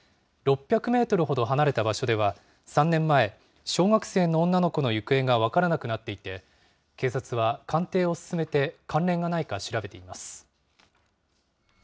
６００メートルほど離れた場所では、３年前、小学生の女の子の行方が分からなくなっていて、警察は鑑定を進めて、関連がないか調べています。